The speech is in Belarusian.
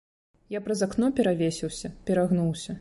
Я праз акно перавесіўся, перагнуўся.